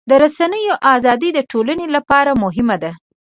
د رسنیو ازادي د ټولنې لپاره مهمه ده.